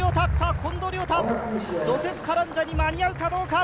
近藤亮太、ジョセフ・カランジャに間に合うかどうか。